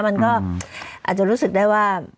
มันก็อาจจะรู้สึกได้ว่า